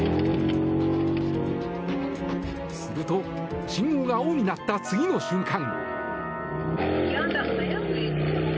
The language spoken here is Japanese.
すると、信号が青になった次の瞬間。